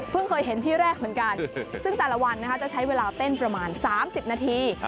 เคยเห็นที่แรกเหมือนกันซึ่งแต่ละวันจะใช้เวลาเต้นประมาณ๓๐นาที